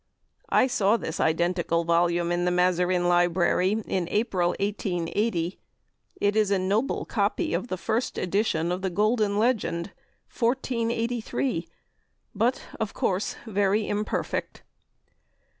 I saw this identical volume in the Mazarin Library in April, 1880. It is a noble copy of the First Edition of the "Golden Legend," 1483, but of course very imperfect.